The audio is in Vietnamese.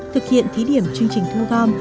thực hiện thí điểm chương trình thu gom